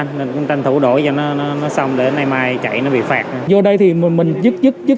nên cũng tranh thủ đổi cho nó xong để hôm nay mai chạy nó bị phạt